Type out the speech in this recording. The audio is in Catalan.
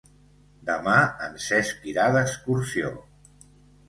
Demà en Cesc irà d'excursió.